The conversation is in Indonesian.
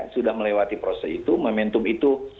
sudah melewati proses itu momentum itu